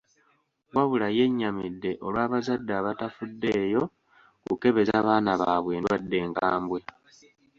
Wabula yennyamidde olw'abazadde abatafuddeyo kukebeza baana baabwe ndwadde nkambwe.